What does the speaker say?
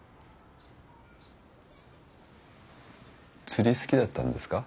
釣り好きだったんですか？